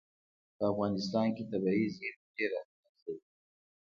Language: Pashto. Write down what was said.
په افغانستان کې طبیعي زیرمې ډېر اهمیت لري.